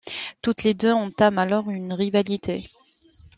Toutes les deux entament alors une rivalité.